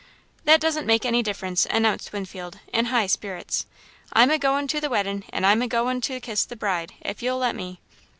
"That doesn't make any difference," announced Winfield, in high spirits, "I'm agoin' to the wedding and I'm a goin' to kiss the bride, if you'll let me."